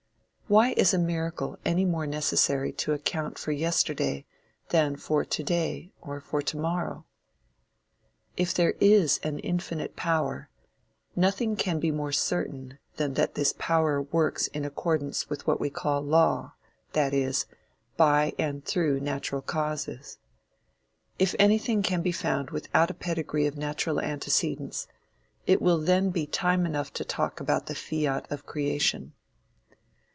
Why is a miracle any more necessary to account for yesterday than for to day or for to morrow? If there is an infinite Power, nothing can be more certain than that this Power works in accordance with what we call law, that is, by and through natural causes. If anything can be found without a pedigree of natural antecedents, it will then be time enough to talk about the fiat of creation.